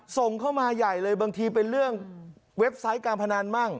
ส่งเข้ามาใหญ่เลยบางทีเป็นเรื่องเว็บไซต์การพนันมั่ง